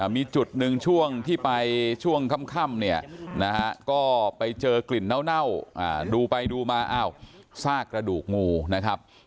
มีจุดหนึ่งช่วงที่ไปช่วงค่ำเนี่ยนะฮะก็ไปเจอกลิ่นเน่าดูไปดูมาอ้าวซากระดูกงูนะครับ